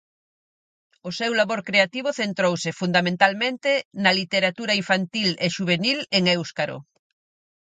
O seu labor creativo centrouse, fundamentalmente, na literatura infantil e xuvenil en éuscaro.